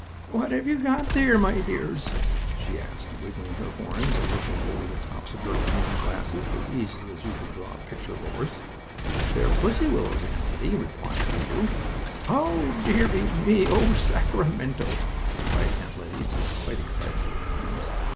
"What have you there, my dears?" she asked, wiggling her horns and looking over the tops of her glasses as easily as you can draw a picture of a horse. "What have you there, my dears?" "They are pussy willows, Aunt Lettie," replied Lulu. "Oh dearie me! oh Sacramento!" cried Aunt Lettie, who was quite excitable at times.